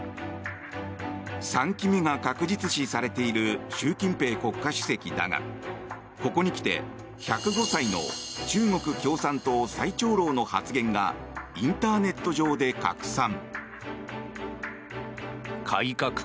３期目が確実視されている習近平国家主席だがここに来て、１０５歳の中国共産党最長老の発言がインターネット上で拡散。